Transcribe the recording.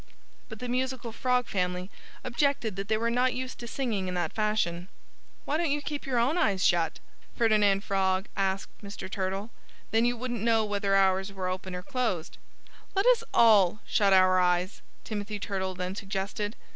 But the musical Frog family objected that they were not used to singing in that fashion. "Why don't you keep your own eyes shut?" Ferdinand Frog asked Mr. Turtle. "Then you wouldn't know whether ours were open or closed." "Let us all shut our eyes!" Timothy Turtle then suggested.